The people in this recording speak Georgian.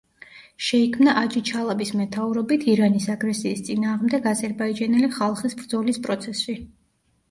შეიქმნა აჯი-ჩალაბის მეთაურობით ირანის აგრესიის წინააღმდეგ აზერბაიჯანელი ხალხის ბრძოლის პროცესში.